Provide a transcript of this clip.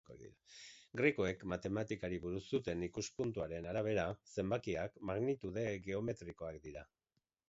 Grekoek matematikari buruz zuten ikuspuntuaren arabera, zenbakiak magnitude geometrikoak dira.